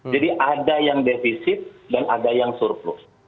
jadi ada yang defisit dan ada yang surplus